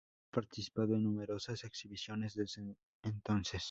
Ha participado en numerosas exhibiciones desde entonces.